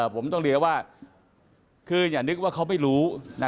ผมต้องเรียกว่าคืออย่านึกว่าเขาไม่รู้